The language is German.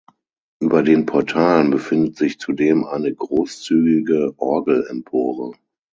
Über den Portalen befindet sich zudem eine großzügige Orgelempore.